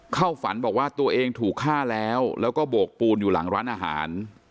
เข้าฝันบอกว่าตัวเองถูกฆ่าแล้วแล้วก็โบกปูนอยู่หลังร้านอาหาร